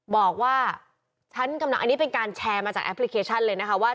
บอกว่าฉันกำลังอันนี้เป็นการแชร์มาจากแอปพลิเคชันเลยนะคะว่า